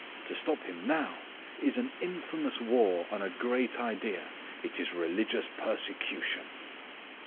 To stop him now is an infamous war on a great idea. It is religious persecution."